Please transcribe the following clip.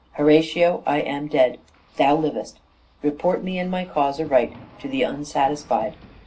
Horatio, I am dead ; Thou livest ; report me and my cause aright To the unsatisfied.